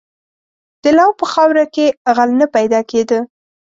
• د لو په خاوره کې غل نه پیدا کېده.